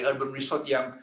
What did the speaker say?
dari urban resort yang